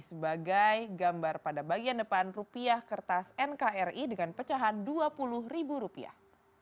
sebagai gambar pada bagian depan rupiah kertas nkri dengan pecahan dua puluh ribu rupiah